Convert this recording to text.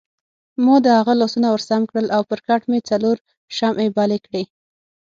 ما د هغه لاسونه ورسم کړل او پر کټ مې څلور شمعې بلې کړې.